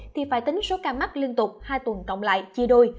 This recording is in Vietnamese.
thì phải tính số ca mắc liên tục hai tuần cộng lại chia đôi